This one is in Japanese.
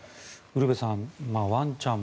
ウルヴェさん